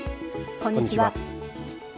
こんにちは。